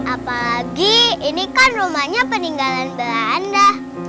apalagi ini kan rumahnya peninggalan belanda